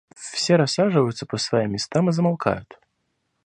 Все рассаживаются по своим местам и замолкают.